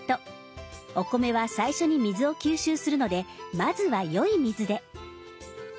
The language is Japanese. お米は最初に水を吸収するのでまずは良い水で。